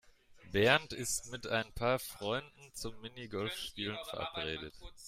Bernd ist mit ein paar Freunden zum Minigolfspielen verabredet.